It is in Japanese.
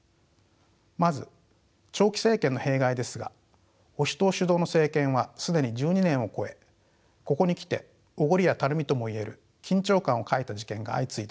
まず長期政権の弊害ですが保守党主導の政権は既に１２年を超えここに来ておごりやたるみともいえる緊張感を欠いた事件が相次いでいます。